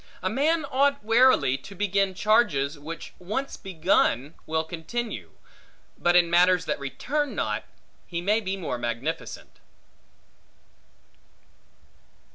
A man ought warily to begin charges which once begun will continue; but in matters that return not, he may be more magnificent.